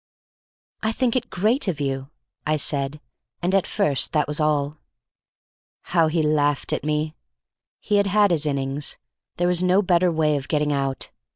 "I think it great of you," I said, and at first that was all. How he laughed at me! He had had his innings; there was no better way of getting out.